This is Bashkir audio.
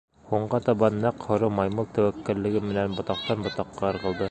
Һуңға табан нәҡ һоро маймыл тәүәккәллеге менән ботаҡтан ботаҡҡа ырғылды.